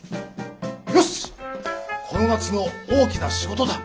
よしこの夏の大きな仕事だ。